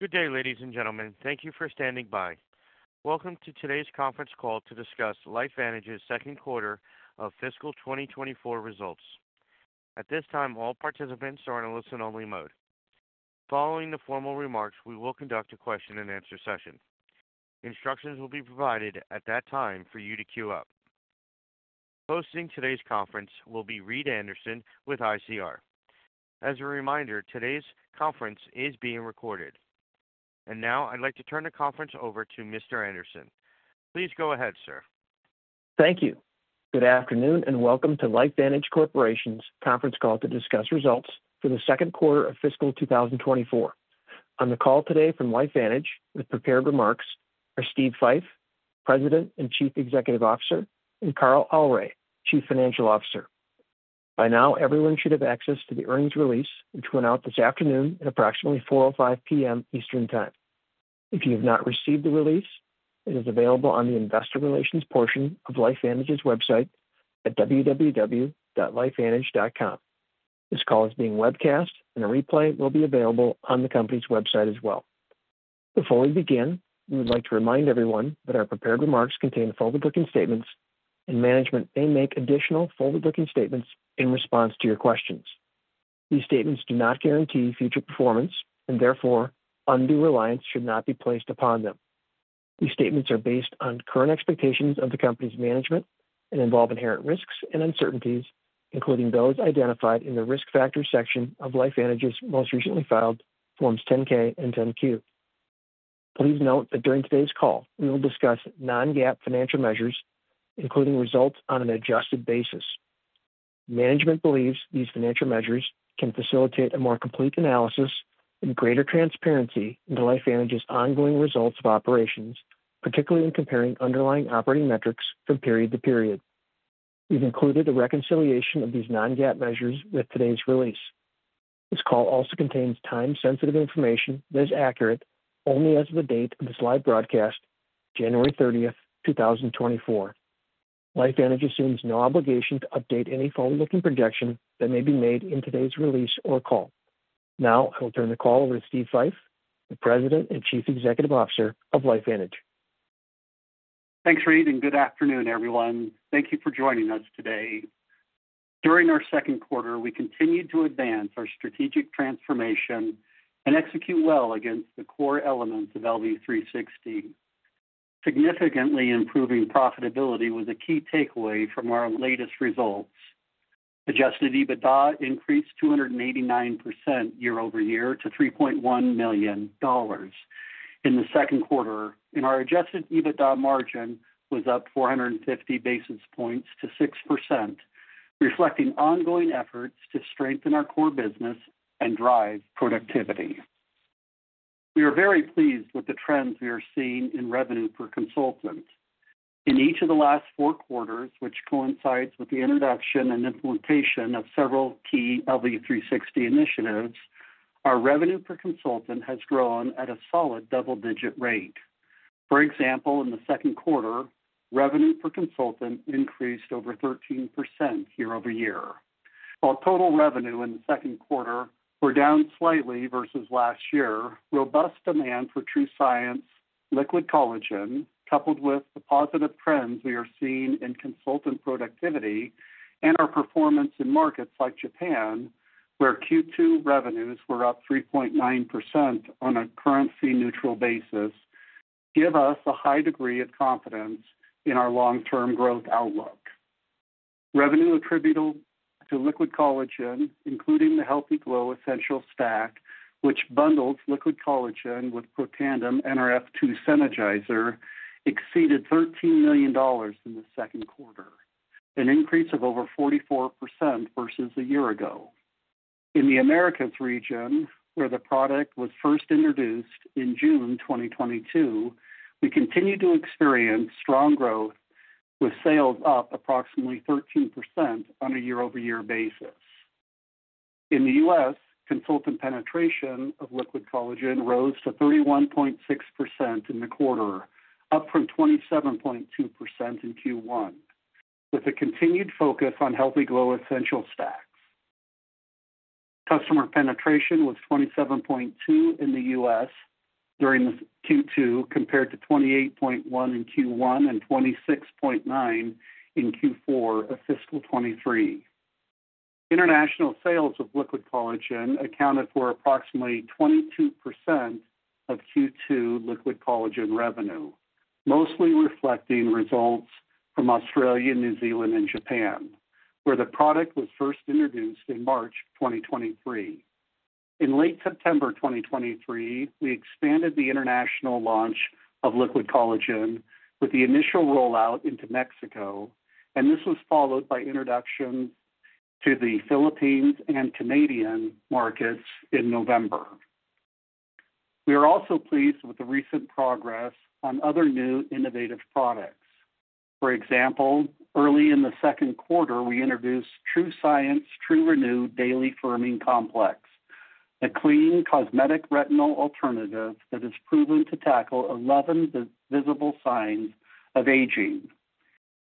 Good day, ladies and gentlemen. Thank you for standing by. Welcome to today's conference call to discuss LifeVantage's second quarter of fiscal 2024 results. At this time, all participants are in a listen-only mode. Following the formal remarks, we will conduct a question-and-answer session. Instructions will be provided at that time for you to queue up. Hosting today's conference will be Reed Anderson with ICR. As a reminder, today's conference is being recorded. Now I'd like to turn the conference over to Mr. Anderson. Please go ahead, sir. Thank you. Good afternoon, and welcome to LifeVantage Corporation's conference call to discuss results for the second quarter of fiscal 2024. On the call today from LifeVantage with prepared remarks are Steve Fife, President and Chief Executive Officer, and Carl Aure, Chief Financial Officer. By now, everyone should have access to the earnings release, which went out this afternoon at approximately 4:05 P.M. Eastern Time. If you have not received the release, it is available on the investor relations portion of LifeVantage's website at www.lifevantage.com. This call is being webcast, and a replay will be available on the company's website as well. Before we begin, we would like to remind everyone that our prepared remarks contain forward-looking statements, and management may make additional forward-looking statements in response to your questions. These statements do not guarantee future performance, and therefore undue reliance should not be placed upon them. These statements are based on current expectations of the company's management and involve inherent risks and uncertainties, including those identified in the Risk Factors section of LifeVantage's most recently filed Forms 10-K and 10-Q. Please note that during today's call, we will discuss non-GAAP financial measures, including results on an adjusted basis. Management believes these financial measures can facilitate a more complete analysis and greater transparency into LifeVantage's ongoing results of operations, particularly in comparing underlying operating metrics from period to period. We've included a reconciliation of these non-GAAP measures with today's release. This call also contains time-sensitive information that is accurate only as of the date of this live broadcast, January 30, 2024. LifeVantage assumes no obligation to update any forward-looking projection that may be made in today's release or call. Now I will turn the call over to Steve Fife, the President and Chief Executive Officer of LifeVantage. Thanks, Reed, and good afternoon, everyone. Thank you for joining us today. During our second quarter, we continued to advance our strategic transformation and execute well against the core elements of LV360. Significantly improving profitability was a key takeaway from our latest results. Adjusted EBITDA increased 289% year-over-year to $3.1 million in the second quarter, and our Adjusted EBITDA margin was up 450 basis points to 6%, reflecting ongoing efforts to strengthen our core business and drive productivity. We are very pleased with the trends we are seeing in revenue per consultant. In each of the last four quarters, which coincides with the introduction and implementation of several key LV360 initiatives, our revenue per consultant has grown at a solid double-digit rate. For example, in the second quarter, revenue per consultant increased over 13% year-over-year. While total revenue in the second quarter were down slightly versus last year, robust demand for TrueScience Liquid Collagen, coupled with the positive trends we are seeing in consultant productivity and our performance in markets like Japan, where Q2 revenues were up 3.9% on a currency-neutral basis, give us a high degree of confidence in our long-term growth outlook. Revenue attributable to Liquid Collagen, including the Healthy Glow Essentials Stack, which bundles Liquid Collagen with Protandim Nrf2 Synergizer, exceeded $13 million in the second quarter, an increase of over 44% versus a year ago. In the Americas region, where the product was first introduced in June 2022, we continued to experience strong growth, with sales up approximately 13% on a year-over-year basis. In the U.S., consultant penetration of Liquid Collagen rose to 31.6% in the quarter, up from 27.2% in Q1, with a continued focus on Healthy Glow Essentials Stacks. Customer penetration was 27.2% in the U.S. during Q2, compared to 28.1% in Q1 and 26.9% in Q4 of fiscal 2023. International sales of Liquid Collagen accounted for approximately 22% of Q2 Liquid Collagen revenue, mostly reflecting results from Australia, New Zealand, and Japan, where the product was first introduced in March 2023. In late September 2023, we expanded the international launch of Liquid Collagen with the initial rollout into Mexico, and this was followed by introduction to the Philippines and Canada markets in November. We are also pleased with the recent progress on other new innovative products. For example, early in the second quarter, we introduced TrueScience TrueRenew Daily Firming Complex, a clean cosmetic retinol alternative that is proven to tackle 11 visible signs of aging.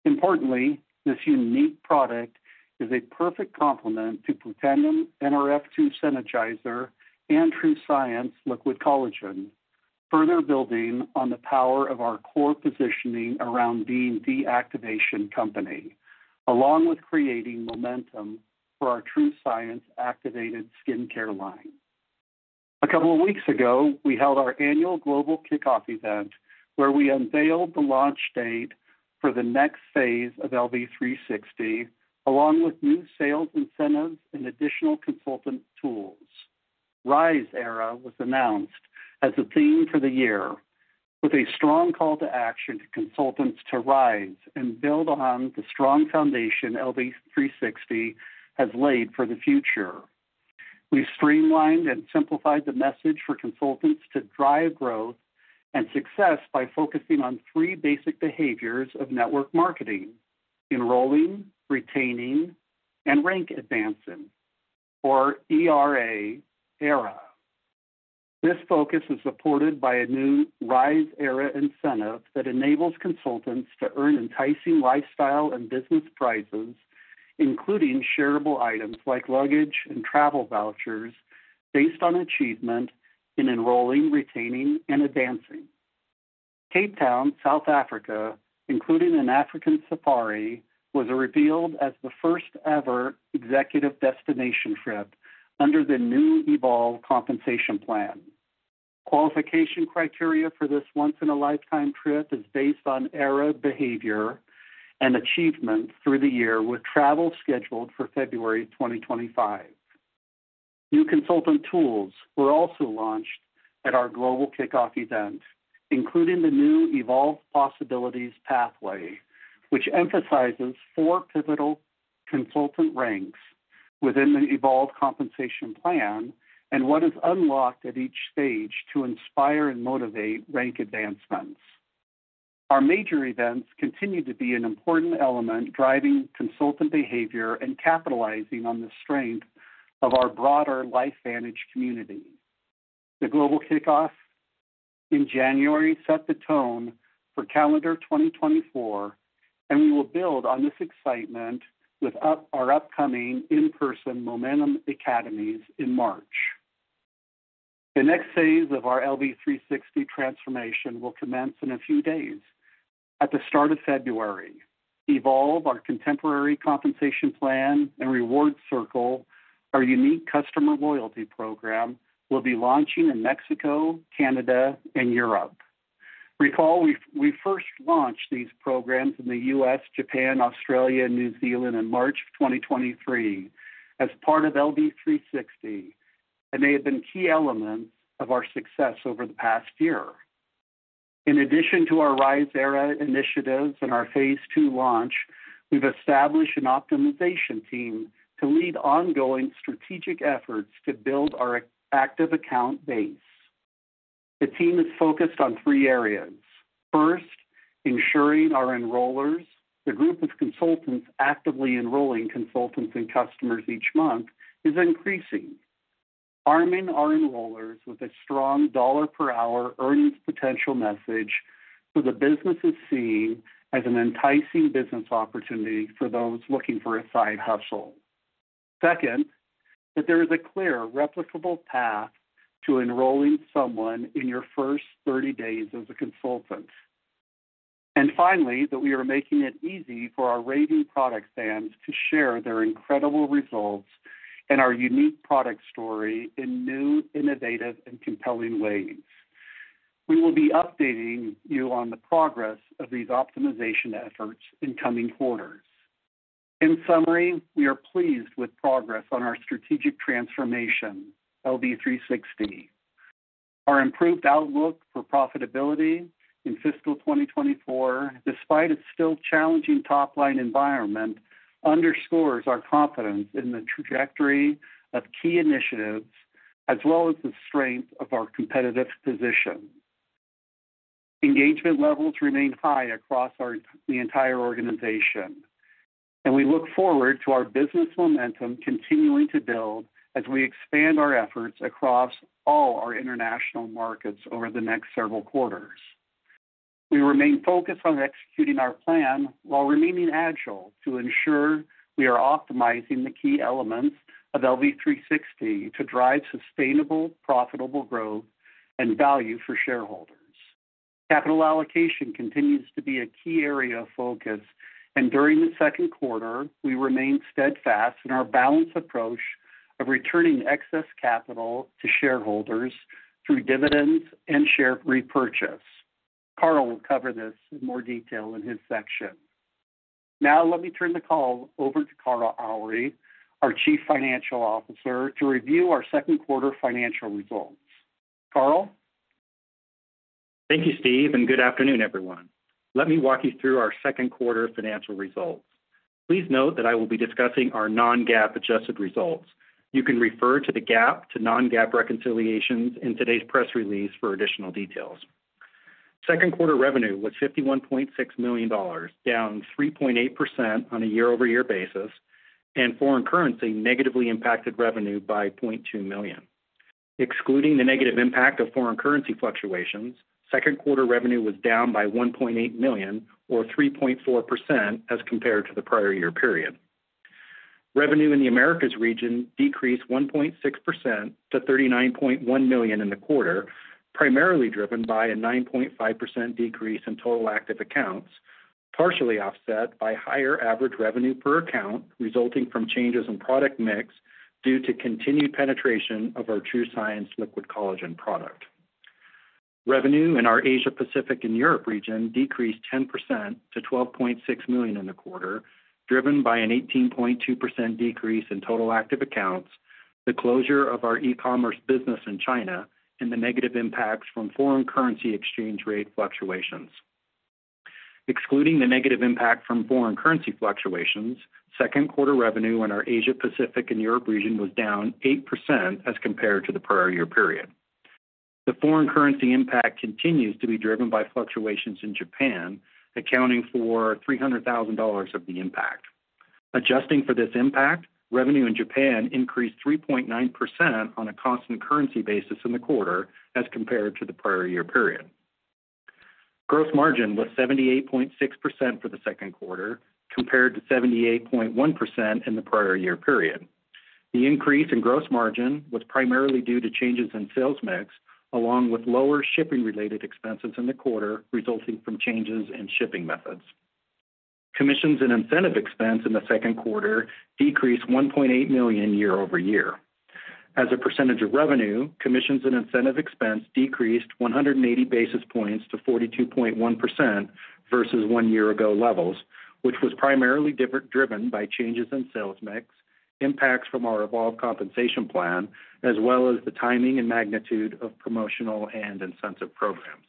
Importantly, this unique product is a perfect complement to Protandim Nrf2 Synergizer and TrueScience Liquid Collagen, further building on the power of our core positioning around being the activation company, along with creating momentum for our TrueScience activated skincare line. A couple of weeks ago, we held our annual global kickoff event, where we unveiled the launch date for the next phase of LV360, along with new sales incentives and additional consultant tools. Rise Era was announced as the theme for the year, with a strong call to action to consultants to rise and build on the strong foundation LV360 has laid for the future. We've streamlined and simplified the message for consultants to drive growth and success by focusing on three basic behaviors of network marketing: enrolling, retaining, and rank advancing, or ERA, era. This focus is supported by a new Rise Era incentive that enables consultants to earn enticing lifestyle and business prizes, including shareable items like luggage and travel vouchers, based on achievement in enrolling, retaining, and advancing. Cape Town, South Africa, including an African safari, was revealed as the first-ever executive destination trip under the new Evolve Compensation Plan. Qualification criteria for this once-in-a-lifetime trip is based on ERA behavior and achievement through the year, with travel scheduled for February 2025. New consultant tools were also launched at our global kickoff event, including the new Evolve Possibilities Pathway, which emphasizes four pivotal consultant ranks within the Evolve compensation plan and what is unlocked at each stage to inspire and motivate rank advancements. Our major events continue to be an important element, driving consultant behavior and capitalizing on the strength of our broader LifeVantage community. The global kickoff in January set the tone for calendar 2024, and we will build on this excitement with our upcoming in-person Momentum Academies in March. The next phase of our LV360 transformation will commence in a few days. At the start of February, Evolve, our contemporary compensation plan and Rewards Circle, our unique customer loyalty program, will be launching in Mexico, Canada, and Europe. Recall, we first launched these programs in the U.S., Japan, Australia, and New Zealand in March 2023 as part of LV360, and they have been key elements of our success over the past year. In addition to our Rise Era initiatives and our phase two launch, we've established an optimization team to lead ongoing strategic efforts to build our active account base. The team is focused on three areas. First, ensuring our enrollers, the group of consultants actively enrolling consultants and customers each month, is increasing. Arming our enrollers with a strong $ per hour earnings potential message, so the business is seen as an enticing business opportunity for those looking for a side hustle. Second, that there is a clear, replicable path to enrolling someone in your first 30 days as a consultant. And finally, that we are making it easy for our raving product fans to share their incredible results and our unique product story in new, innovative, and compelling ways. We will be updating you on the progress of these optimization efforts in coming quarters. In summary, we are pleased with progress on our strategic transformation, LV360. Our improved outlook for profitability in fiscal 2024, despite its still challenging top-line environment, underscores our confidence in the trajectory of key initiatives, as well as the strength of our competitive position. Engagement levels remain high across our entire organization, and we look forward to our business momentum continuing to build as we expand our efforts across all our international markets over the next several quarters. We remain focused on executing our plan while remaining agile to ensure we are optimizing the key elements of LV360 to drive sustainable, profitable growth and value for shareholders. Capital allocation continues to be a key area of focus, and during the second quarter, we remained steadfast in our balanced approach of returning excess capital to shareholders through dividends and share repurchase. Carl will cover this in more detail in his section. Now let me turn the call over to Carl Aure, our Chief Financial Officer, to review our second quarter financial results. Carl? Thank you, Steve, and good afternoon, everyone. Let me walk you through our second quarter financial results. Please note that I will be discussing our non-GAAP adjusted results. You can refer to the GAAP to non-GAAP reconciliations in today's press release for additional details. Second quarter revenue was $51.6 million, down 3.8% on a year-over-year basis, and foreign currency negatively impacted revenue by $0.2 million.... Excluding the negative impact of foreign currency fluctuations, second quarter revenue was down by $1.8 million, or 3.4%, as compared to the prior year period. Revenue in the Americas region decreased 1.6% to $39.1 million in the quarter, primarily driven by a 9.5% decrease in total active accounts, partially offset by higher average revenue per account, resulting from changes in product mix due to continued penetration of our TrueScience Liquid Collagen product. Revenue in our Asia Pacific and Europe region decreased 10% to $12.6 million in the quarter, driven by an 18.2% decrease in total active accounts, the closure of our e-commerce business in China, and the negative impacts from foreign currency exchange rate fluctuations. Excluding the negative impact from foreign currency fluctuations, second quarter revenue in our Asia Pacific and Europe region was down 8% as compared to the prior year period. The foreign currency impact continues to be driven by fluctuations in Japan, accounting for $300,000 of the impact. Adjusting for this impact, revenue in Japan increased 3.9% on a constant currency basis in the quarter as compared to the prior year period. Gross margin was 78.6% for the second quarter, compared to 78.1% in the prior year period. The increase in gross margin was primarily due to changes in sales mix, along with lower shipping-related expenses in the quarter, resulting from changes in shipping methods. Commissions and incentive expense in the second quarter decreased $1.8 million year-over-year. As a percentage of revenue, commissions and incentive expense decreased 180 basis points to 42.1% versus one year ago levels, which was primarily driven by changes in sales mix, impacts from our Evolve Compensation Plan, as well as the timing and magnitude of promotional and incentive programs.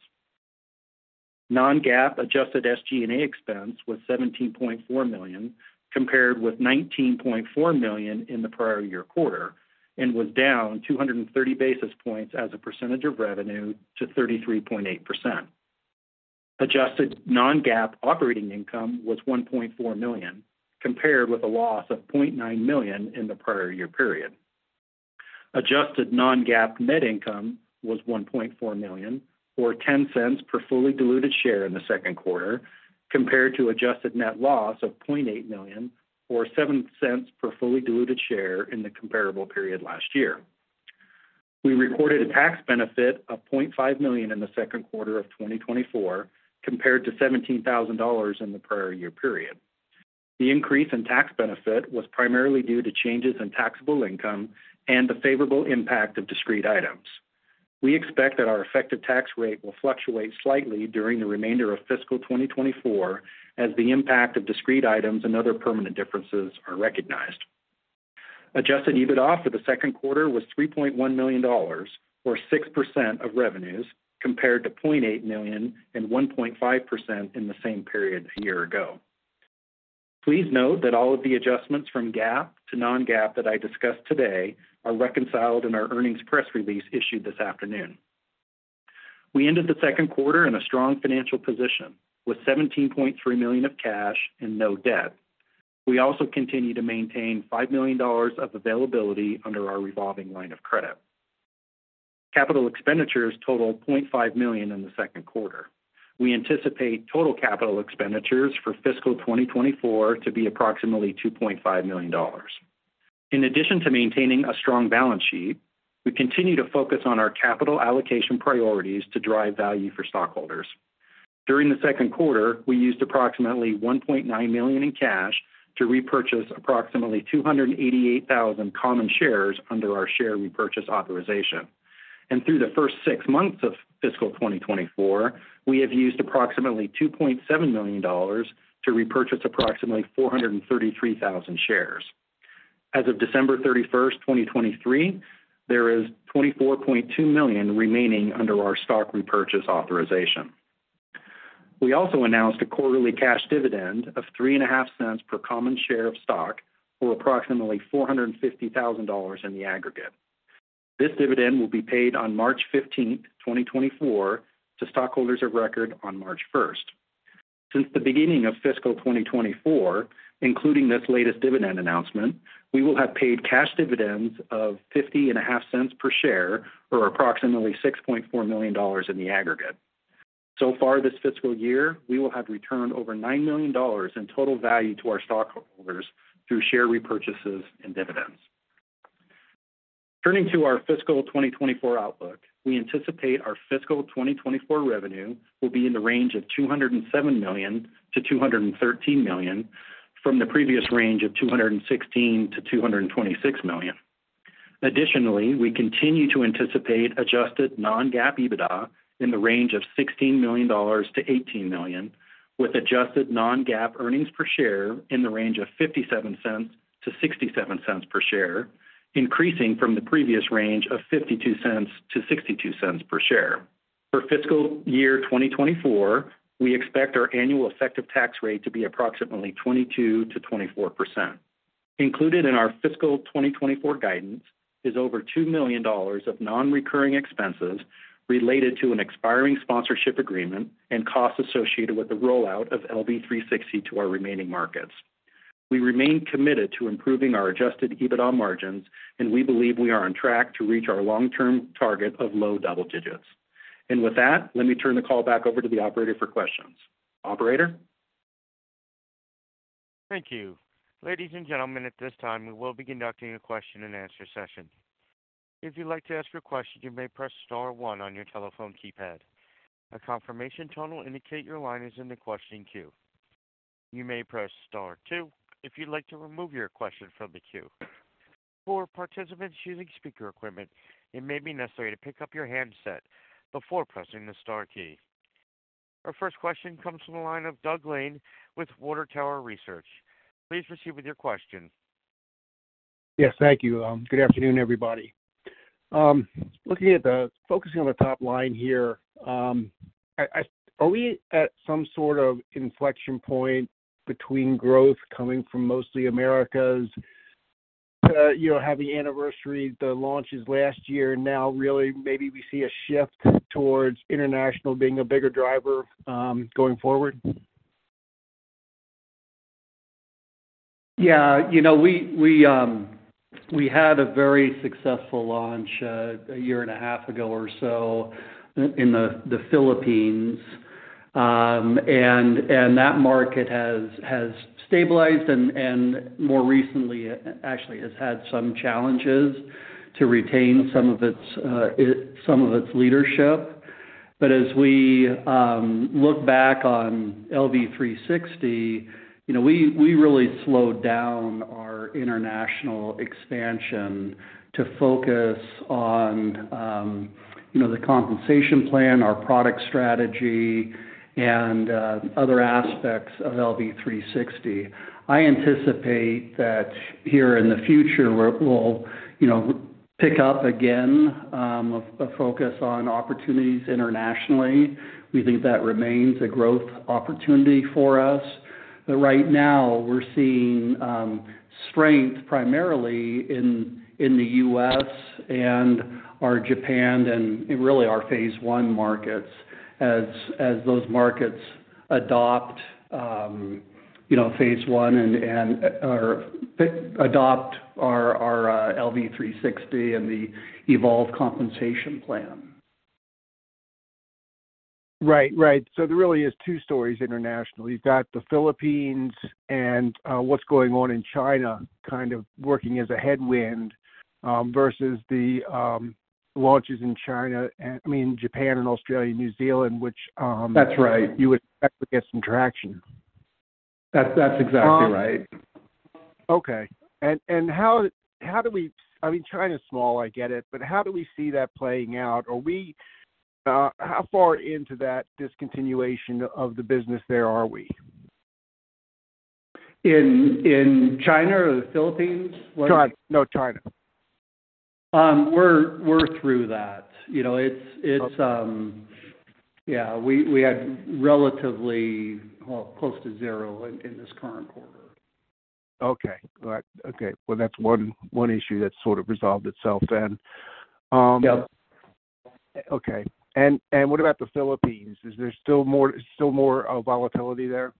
Non-GAAP adjusted SG&A expense was $17.4 million, compared with $19.4 million in the prior year quarter, and was down 230 basis points as a percentage of revenue to 33.8%. Adjusted non-GAAP operating income was $1.4 million, compared with a loss of $0.9 million in the prior year period. Adjusted non-GAAP net income was $1.4 million, or $0.10 per fully diluted share in the second quarter, compared to adjusted net loss of $0.8 million, or $0.07 per fully diluted share in the comparable period last year. We recorded a tax benefit of $0.5 million in the second quarter of 2024, compared to $17,000 in the prior year period. The increase in tax benefit was primarily due to changes in taxable income and the favorable impact of discrete items. We expect that our effective tax rate will fluctuate slightly during the remainder of fiscal 2024, as the impact of discrete items and other permanent differences are recognized. Adjusted EBITDA for the second quarter was $3.1 million, or 6% of revenues, compared to $0.8 million and 1.5% in the same period a year ago. Please note that all of the adjustments from GAAP to non-GAAP that I discussed today are reconciled in our earnings press release issued this afternoon. We ended the second quarter in a strong financial position, with $17.3 million of cash and no debt. We also continue to maintain $5 million of availability under our revolving line of credit. Capital expenditures totaled $0.5 million in the second quarter. We anticipate total capital expenditures for fiscal 2024 to be approximately $2.5 million. In addition to maintaining a strong balance sheet, we continue to focus on our capital allocation priorities to drive value for stockholders. During the second quarter, we used approximately $1.9 million in cash to repurchase approximately 288,000 common shares under our share repurchase authorization. Through the first 6 months of fiscal 2024, we have used approximately $2.7 million to repurchase approximately 433,000 shares. As of December 31st, 2023, there is $24.2 million remaining under our stock repurchase authorization. We also announced a quarterly cash dividend of $0.035 per common share of stock, or approximately $450,000 in the aggregate. This dividend will be paid on March 15th, 2024, to stockholders of record on March 1st. Since the beginning of fiscal 2024, including this latest dividend announcement, we will have paid cash dividends of $0.505 per share, or approximately $6.4 million in the aggregate. So far this fiscal year, we will have returned over $9 million in total value to our stockholders through share repurchases and dividends. Turning to our fiscal 2024 outlook, we anticipate our fiscal 2024 revenue will be in the range of $207 million-$213 million from the previous range of $216 million-$226 million. Additionally, we continue to anticipate adjusted non-GAAP EBITDA in the range of $16 million-$18 million, with adjusted non-GAAP earnings per share in the range of $0.57-$0.67 per share, increasing from the previous range of $0.52-$0.62 per share. For fiscal year 2024, we expect our annual effective tax rate to be approximately 22%-24%. Included in our fiscal 2024 guidance is over $2 million of non-recurring expenses related to an expiring sponsorship agreement and costs associated with the rollout of LV360 to our remaining markets. ... We remain committed to improving our Adjusted EBITDA margins, and we believe we are on track to reach our long-term target of low double digits. And with that, let me turn the call back over to the operator for questions. Operator? Thank you. Ladies and gentlemen, at this time, we will be conducting a question-and-answer session. If you'd like to ask a question, you may press star one on your telephone keypad. A confirmation tone will indicate your line is in the questioning queue. You may press star two if you'd like to remove your question from the queue. For participants using speaker equipment, it may be necessary to pick up your handset before pressing the star key. Our first question comes from the line of Doug Lane with Water Tower Research. Please proceed with your question. Yes, thank you. Good afternoon, everybody. Focusing on the top line here, are we at some sort of inflection point between growth coming from mostly Americas, you know, having anniversary the launches last year, and now really maybe we see a shift towards international being a bigger driver, going forward? Yeah, you know, we had a very successful launch a year and a half ago or so in the Philippines. And that market has stabilized and more recently, actually, has had some challenges to retain some of its leadership. But as we look back on LV360, you know, we really slowed down our international expansion to focus on, you know, the compensation plan, our product strategy, and other aspects of LV360. I anticipate that here in the future, we'll, you know, pick up again a focus on opportunities internationally. We think that remains a growth opportunity for us. But right now, we're seeing strength primarily in the U.S. and our Japan and really our phase one markets, as those markets adopt, you know, phase one and adopt our LV360 and the Evolve Compensation Plan. Right. Right. So there really is two stories internationally. You've got the Philippines and, what's going on in China, kind of working as a headwind, versus the, launches in China, I mean, Japan and Australia, New Zealand, which, That's right. You would expect to get some traction. That's, that's exactly right. Okay. And, and how, how do we... I mean, China's small, I get it. But how do we see that playing out? Are we, how far into that discontinuation of the business there are we? In China or the Philippines? China. No, China. We're through that. You know, it's yeah, we had relatively well, close to zero in this current quarter. Okay. All right. Okay. Well, that's one issue that sort of resolved itself then. Yep. Okay. And what about the Philippines? Is there still more volatility there?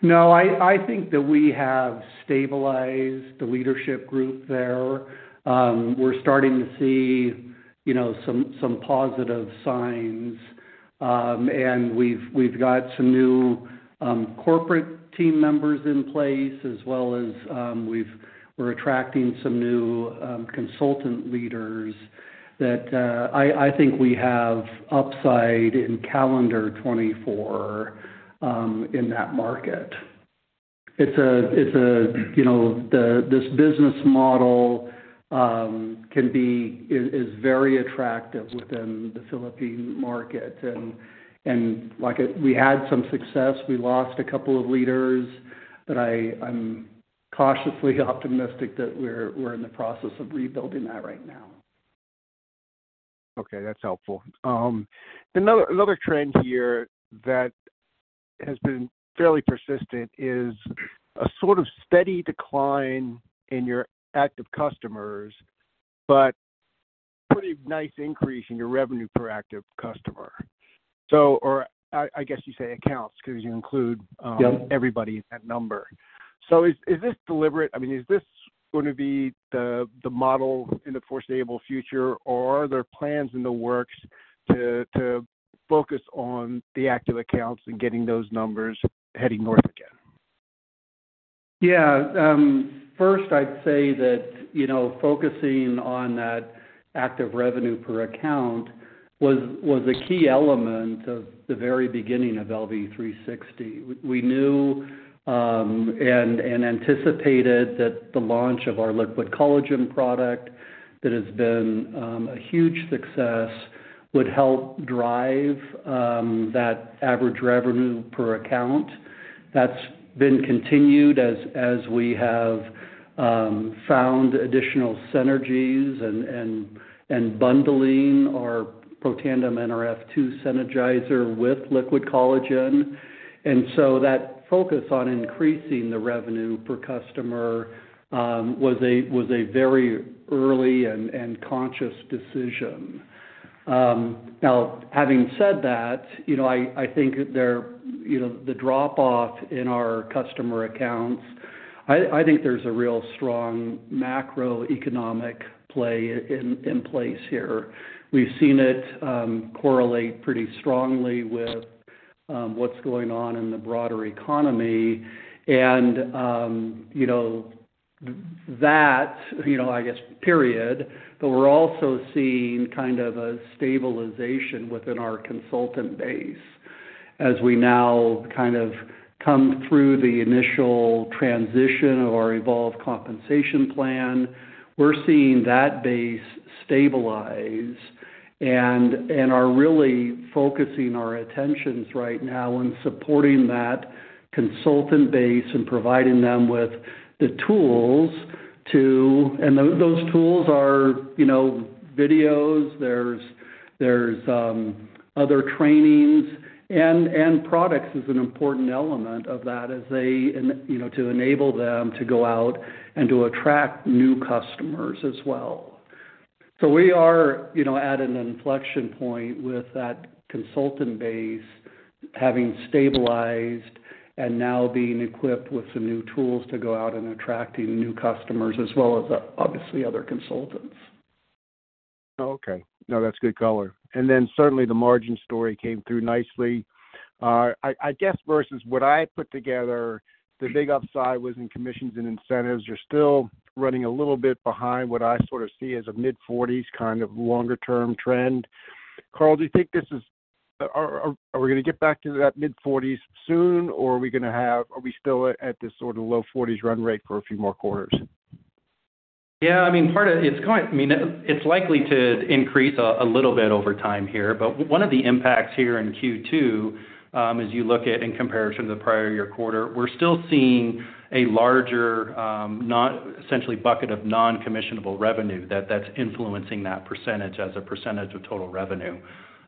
No, I think that we have stabilized the leadership group there. We're starting to see, you know, some positive signs, and we've got some new corporate team members in place, as well as we're attracting some new consultant leaders that I think we have upside in calendar 2024, in that market. It's a, you know, this business model is very attractive within the Philippine market. And like, we had some success. We lost a couple of leaders, but I'm cautiously optimistic that we're in the process of rebuilding that right now. Okay, that's helpful. Another trend here that has been fairly persistent is a sort of steady decline in your active customers, but pretty nice increase in your revenue per active customer. So, or I guess you say accounts, because you include- Yep. everybody in that number. So is this deliberate? I mean, is this going to be the model in the foreseeable future, or are there plans in the works to focus on the active accounts and getting those numbers heading north again? Yeah. First, I'd say that, you know, focusing on that active revenue per account was a key element of the very beginning of LV360. We knew and anticipated that the launch of our Liquid Collagen product, that has been a huge success, would help drive that average revenue per account. That's been continued as we have found additional synergies and bundling our Protandim Nrf2 Synergizer with Liquid Collagen. And so that focus on increasing the revenue per customer was a very early and conscious decision. Now having said that, you know, I think there, you know, the drop off in our customer accounts, I think there's a real strong macroeconomic play in place here. We've seen it correlate pretty strongly with what's going on in the broader economy. And, you know, that, you know, I guess, period, but we're also seeing kind of a stabilization within our consultant base as we now kind of come through the initial transition of our Evolve compensation plan. We're seeing that base stabilize and are really focusing our attentions right now on supporting that consultant base and providing them with the tools to— And those tools are, you know, videos, there's, there's, other trainings, and products is an important element of that as they, and, you know, to enable them to go out and to attract new customers as well. We are, you know, at an inflection point with that consultant base, having stabilized and now being equipped with some new tools to go out and attracting new customers as well as, obviously, other consultants. Okay. No, that's good color. And then, certainly, the margin story came through nicely. I guess versus what I put together, the big upside was in commissions and incentives. You're still running a little bit behind what I sort of see as a mid-forties kind of longer-term trend. Carl, do you think this is... Are we gonna get back to that mid-forties soon, or are we gonna have - are we still at this sort of low forties run rate for a few more quarters? Yeah, I mean, part of it, it's going—I mean, it's likely to increase a little bit over time here. But one of the impacts here in Q2, as you look at in comparison to the prior year quarter, we're still seeing a larger non-essential bucket of non-commissionable revenue, that's influencing that percentage as a percentage of total revenue.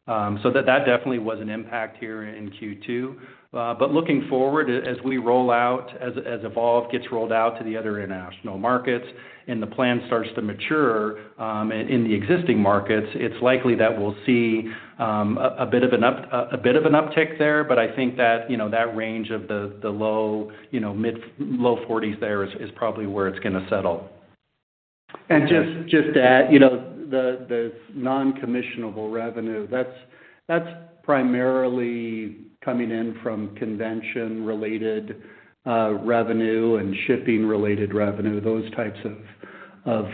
So that definitely was an impact here in Q2. But looking forward, as we roll out, as Evolve gets rolled out to the other international markets and the plan starts to mature in the existing markets, it's likely that we'll see a bit of an up, a bit of an uptick there. But I think that, you know, that range of the low, you know, mid-low 40s there is probably where it's gonna settle. Just to add, you know, the non-commissionable revenue, that's primarily coming in from convention-related revenue and shipping-related revenue, those types of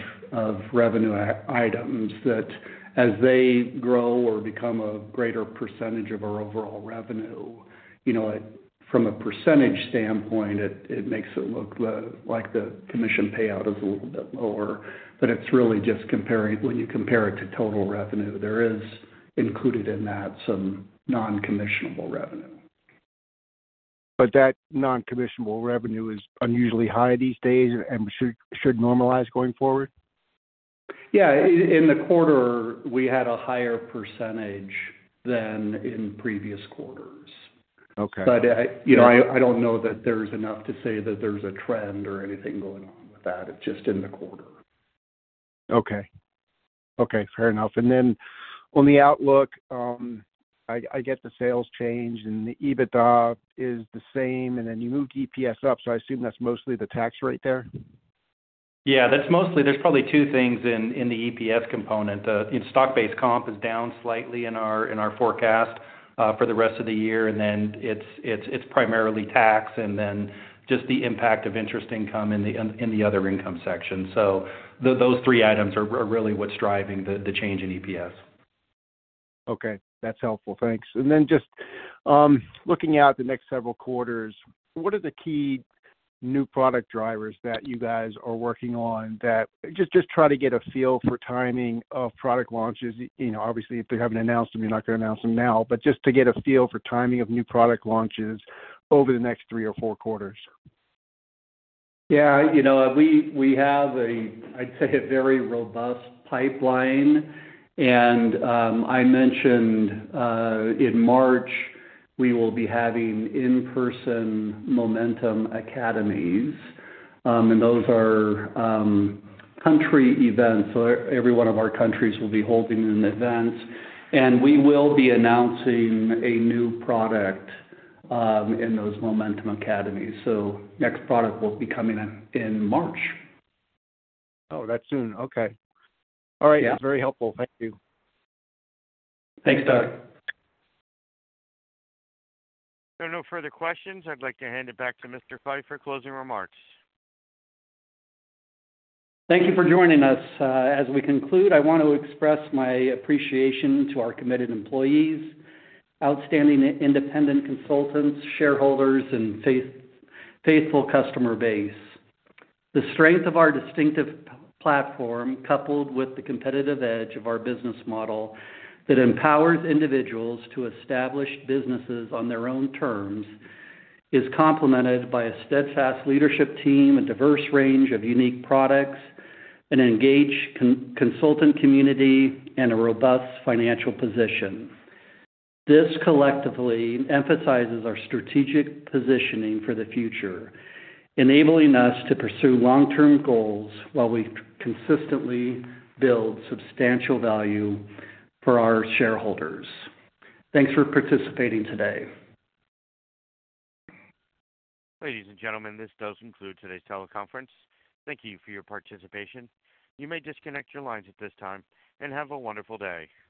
revenue items that as they grow or become a greater percentage of our overall revenue, you know, from a percentage standpoint, it makes it look like the commission payout is a little bit lower. But it's really just comparing, when you compare it to total revenue, there is included in that some non-commissionable revenue. But that non-commissionable revenue is unusually high these days and should normalize going forward? Yeah, in the quarter, we had a higher % than in previous quarters. Okay. You know, I don't know that there's enough to say that there's a trend or anything going on with that. It's just in the quarter. Okay. Okay, fair enough. And then on the outlook, I get the sales change, and the EBITDA is the same, and then you moved EPS up, so I assume that's mostly the tax rate there? Yeah, that's mostly... There's probably two things in the EPS component. Stock-based comp is down slightly in our forecast for the rest of the year, and then it's primarily tax and then just the impact of interest income in the other income section. So those three items are really what's driving the change in EPS. Okay, that's helpful. Thanks. And then just, looking out the next several quarters, what are the key new product drivers that you guys are working on that. Just, just try to get a feel for timing of product launches. You know, obviously, if you haven't announced them, you're not gonna announce them now, but just to get a feel for timing of new product launches over the next three or four quarters. Yeah, you know, we have, I'd say, a very robust pipeline. And I mentioned in March, we will be having in-person Momentum Academies, and those are country events. So every one of our countries will be holding an event, and we will be announcing a new product in those Momentum Academies. So next product will be coming in March. Oh, that's soon. Okay. Yeah. All right. That's very helpful. Thank you. Thanks, Doug. There are no further questions. I'd like to hand it back to Mr. Fife for closing remarks. Thank you for joining us. As we conclude, I want to express my appreciation to our committed employees, outstanding independent consultants, shareholders and faithful customer base. The strength of our distinctive platform, coupled with the competitive edge of our business model that empowers individuals to establish businesses on their own terms, is complemented by a steadfast leadership team, a diverse range of unique products, an engaged consultant community, and a robust financial position. This collectively emphasizes our strategic positioning for the future, enabling us to pursue long-term goals while we consistently build substantial value for our shareholders. Thanks for participating today. Ladies and gentlemen, this does conclude today's teleconference. Thank you for your participation. You may disconnect your lines at this time, and have a wonderful day.